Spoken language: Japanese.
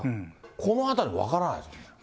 このあたり、分からないですね。